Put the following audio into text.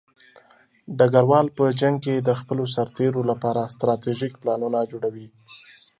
ډګروال په جنګ کې د خپلو سرتېرو لپاره ستراتیژیک پلانونه جوړوي.